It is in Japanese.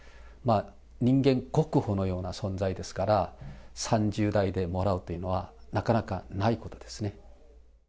人間国宝のような存在ですから、３０代でもらうというのは、なかなかないことですね。